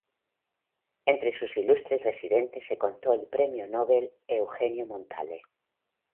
Entre sus ilustres residentes se contó el Premio Nobel, Eugenio Montale.